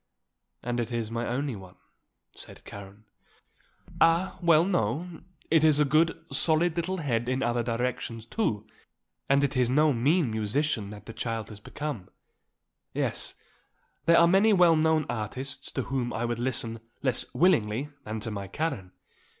"And it is my only one," said Karen. "Ah, well, no; it is a good, solid little head in other directions, too. And it is no mean musician that the child has become. Yes; there are many well known artists to whom I would listen less willingly than to my Karen.